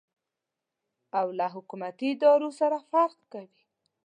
او له حکومتي ادارو سره فرق کوي.